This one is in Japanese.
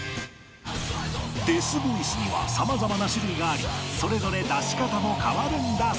デスボイスにはさまざまな種類がありそれぞれ出し方も変わるんだそう